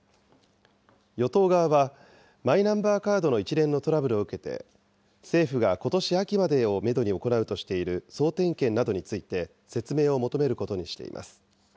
与党側は、マイナンバーカードの一連のトラブルを受けて、政府がことし秋までをメドに行うとしている総点検などについて、説明を求めることにしています。